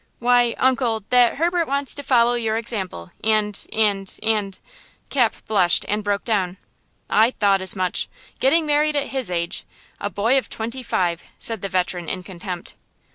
"Why, uncle, that Herbert wants to follow your example, and–and–and–" Cap blushed and broke down. "I thought as much. Getting married at his age! A boy of twenty five!" said the veteran in contempt.